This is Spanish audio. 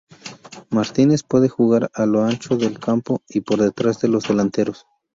Martínez puede jugar a lo ancho del campo y por detrás de los delanteros.